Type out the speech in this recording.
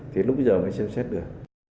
thì lúc bây giờ mới xem xét được